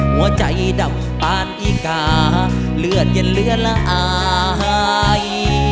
หัวใจดับปานอีกาเลือดเย็นเลือดละอาย